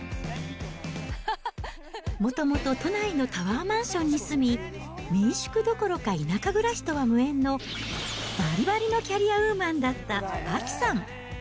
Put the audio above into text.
もともと都内のタワーマンションに住み、民宿どころか田舎暮らしとは無縁のばりばりのキャリアウーマンだった亜紀さん。